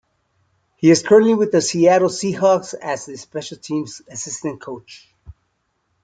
He is currently with the Seattle Seahawks as a special teams assistant coach.